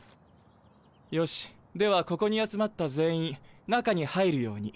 よしではここに集まった全員中に入るように。